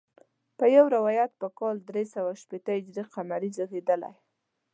په یو روایت په کال درې سوه شپېته هجري قمري زیږېدلی.